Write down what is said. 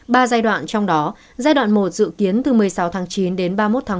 ba giai đoạn trong đó giai đoạn một dự kiến từ một mươi sáu chín đến ba mươi một một mươi